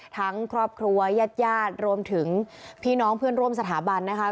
ทั้งครอบครัวยาดรวมถึงพี่น้องเพื่อนร่วมสถาบันนะคะ